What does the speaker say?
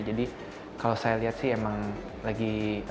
jadi kalau saya lihat sih emang lagi